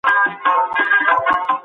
بدلون سته.